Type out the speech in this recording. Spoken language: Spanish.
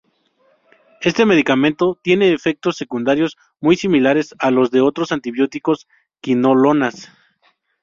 Este medicamento tiene efectos secundarios muy similares a los de otros antibióticos quinolonas.